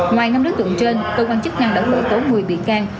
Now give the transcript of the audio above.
ngoài năm đối tượng trên cơ quan chức năng đã khởi tố một mươi bị can